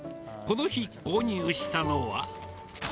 この日、購入したのは。